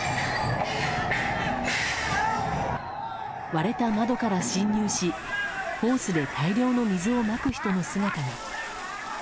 割れた窓から侵入し、ホースで大量の水をまく人の姿が。